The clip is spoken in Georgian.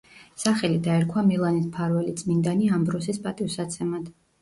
სახელი დაერქვა მილანის მფარველი წმინდანი ამბროსის პატივსაცემად.